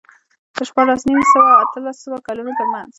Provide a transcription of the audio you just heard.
د شپاړس نیم سوه او اتلس سوه کلونو ترمنځ